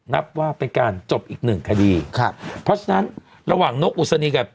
นับว่าเป็นการจบอีกหนึ่งคดีครับเพราะฉะนั้นระหว่างนกอุศนีกับ